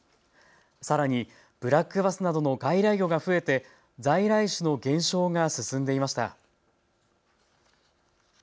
さらにブラックバスなどの外来魚が増えて在来種の減少が進んでいました。